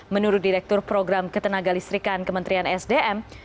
menurut direktur program ketenaga listrikan kementerian sdm